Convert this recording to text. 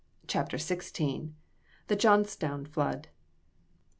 CHAPTER XVI. THE JOHNSTOWN FLOOD.